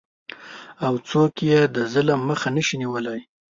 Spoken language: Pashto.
او څوک یې د ظلم مخه نشي نیولی؟